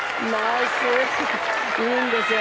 いいんですよ！